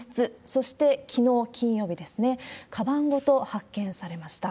そして、きのう金曜日ですね、かばんごと発見されました。